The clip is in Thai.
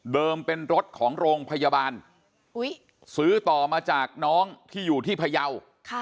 เป็นรถของโรงพยาบาลซื้อต่อมาจากน้องที่อยู่ที่พยาว